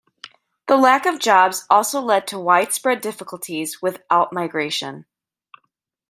The lack of jobs also led to widespread difficulties with outmigration.